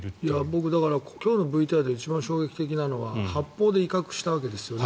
僕、今日のＶＴＲで一番衝撃的なのは発砲で威嚇したわけですよね。